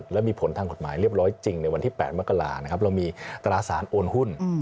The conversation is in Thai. และมีผลทางกฎหมายเรียบร้อยจริงในวันที่๘มกรานะครับเรามีตราสารโอนหุ้น